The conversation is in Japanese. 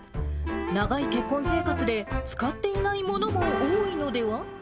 長い結婚生活で使っていないものも多いのでは？